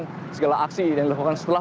gak capek ya